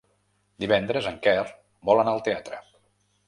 Divendres en Quer vol anar al teatre.